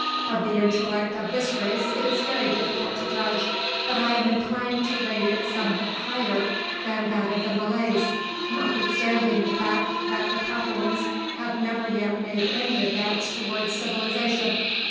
Of the intellect of this race it is very difficult to judge, but I am inclined to rate it somewhat higher than that of the Malays, notwithstanding the fact that the Papuans have never yet made any advance towards civilization.